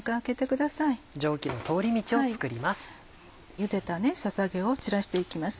ゆでたささげを散らしていきます。